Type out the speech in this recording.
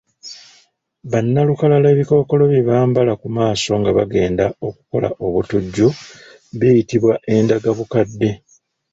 Ba nnalukalala ebikookolo bye bambala ku maaso nga bagenda okukola obutujju biyitibwa Endogabukadde.